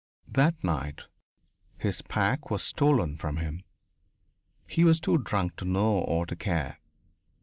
That night his pack was stolen from him. He was too drunk to know or to care.